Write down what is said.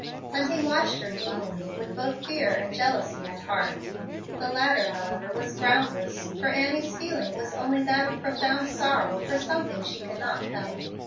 Hunting watched her gloomily, with both fear and jealousy at heart. The latter, however, was groundless, for Annie's feeling was only that of profound sorrow for something she could not help.